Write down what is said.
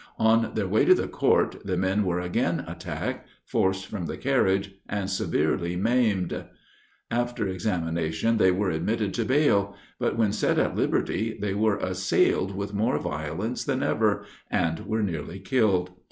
On their way to the court, the men were again attacked, forced from the carriage, and severely maimed. After examination they were admitted to bail; but, when set at liberty, they were assailed with more violence than ever, and were nearly killed.